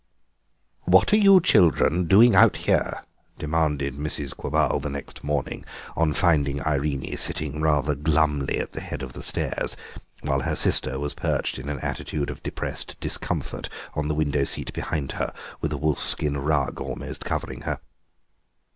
"What are you children doing out here?" demanded Mrs. Quabarl the next morning, on finding Irene sitting rather glumly at the head of the stairs, while her sister was perched in an attitude of depressed discomfort on the window seat behind her, with a wolf skin rug almost covering her.